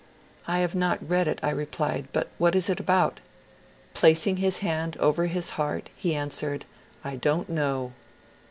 ^* I have not read it," I replied, but what is it about ?" Placing his hand over his heart, he answered, ^ I don't know."